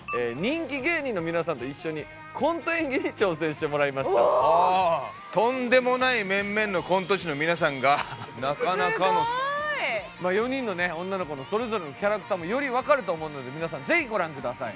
今してもらいましたとんでもない面々のコント師の皆さんがなかなかのすごい４人の女の子のそれぞれのキャラクターもより分かると思うので皆さんぜひご覧ください